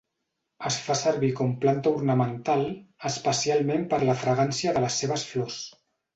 Es fa servir com planta ornamental especialment per la fragància de les seves flors.